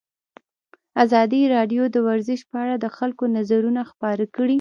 ازادي راډیو د ورزش په اړه د خلکو نظرونه خپاره کړي.